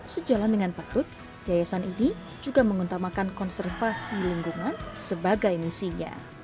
sejalan dengan patut yayasan ini juga mengutamakan konservasi lingkungan sebagai misinya